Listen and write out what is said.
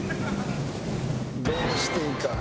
「どうしていいか」